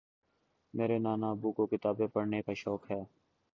میرے نانا ابو کو کتابیں پڑھنے کا شوق ہے